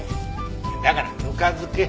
だからぬか漬け。